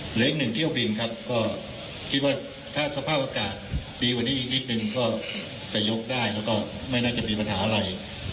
เหลืออีกหนึ่งเที่ยวบินครับก็คิดว่าถ้าสภาพอากาศดีกว่านี้อีกนิดนึงก็จะยกได้แล้วก็ไม่น่าจะมีปัญหาอะไร